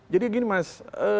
jadi gini mas